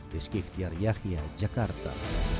di skeftiar yahya jakarta